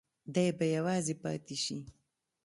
دی به یوازې پاتې شي.